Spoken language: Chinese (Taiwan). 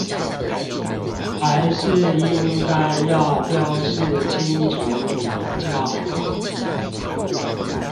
還是應該要標示清楚比較好